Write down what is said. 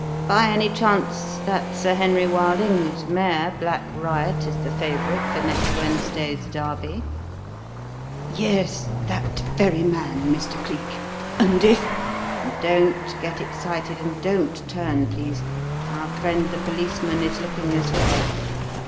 By any chance that Sir Henry Wilding whose mare, Black Riot, is the favourite for next Wednesday's Derby?" "Yes that very man, Mr. Cleek; and if " "Don't get excited and don't turn, please; our friend the policeman is looking this way.